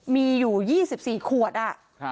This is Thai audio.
มีอยู่๒๔ขวดอ่ะ